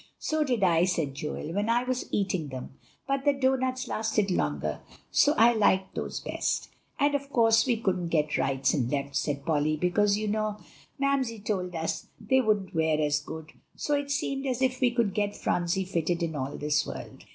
"So did I," said Joel, "when I was eating them; but the doughnuts lasted longer, so I liked those best." "And of course we couldn't get rights and lefts," said Polly, "because, you know, Mamsie told us they wouldn't wear as good; so it seemed as if we never could get Phronsie fitted in all this world."